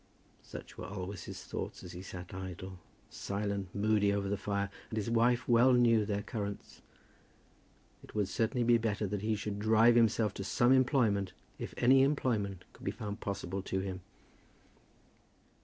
Such were always his thoughts as he sat idle, silent, moody, over the fire; and his wife well knew their currents. It would certainly be better that he should drive himself to some employment, if any employment could be found possible to him.